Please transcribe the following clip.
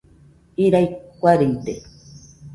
Irai kuaride.